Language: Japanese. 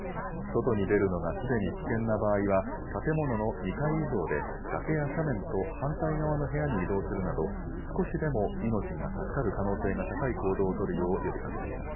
外に出るのがすでに危険な場合は、建物の２階以上で崖や斜面と反対側の部屋に移動するなど、少しでも命が助かる可能性が高い行動を取るよう呼びかけています。